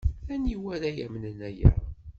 Aniwa ara yamnen aya?